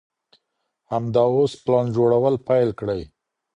همدا اوس پلان جوړول پيل کړئ.